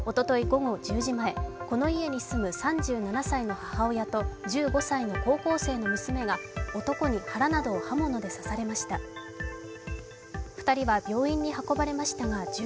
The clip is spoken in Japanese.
午後１０時前、この家に住む３７歳の母親と１５歳の高校生の娘が男に腹などを刃物で刺されました。